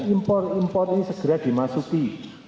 impor impor ini segera dimasuki